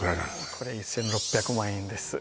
これ１６００万円です